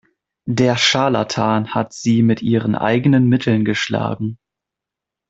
Der Scharlatan hat sie mit ihren eigenen Mitteln geschlagen.